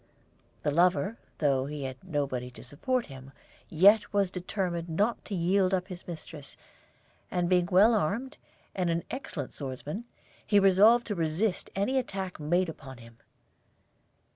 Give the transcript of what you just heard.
The lover, though he had nobody to support him, yet was determined not to yield up his mistress, and being well armed, and an excellent swordsman, he resolved to resist any attack made upon him.